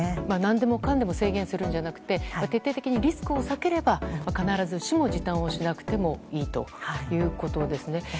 何でもかんでも制限するんじゃなくて徹底的にリスクを避ければ必ずしも時短をしなくてもいいということですね。